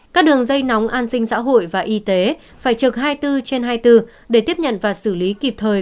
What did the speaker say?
các đường dây nóng an sinh xã hội và y tế phải trực hai mươi bốn trên hai mươi bốn để tiếp nhận và xử lý kịp thời